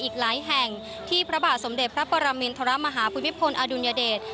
อีกหลายแห่งที่พระบาทสมเด็จพระปรมินทรมาฮาภูมิพลอดุลยเดช